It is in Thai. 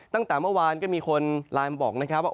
ตั้งแต่เมื่อวานก็มีคนไลน์มาบอกนะครับว่า